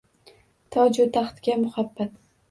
Toju taxtga muhabbat.